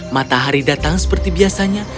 matahari datang seperti biasanya